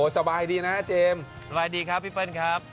สวัสดีครับพี่เปิ้ลครับ